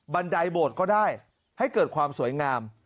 ันไดโบสถ์ก็ได้ให้เกิดความสวยงาม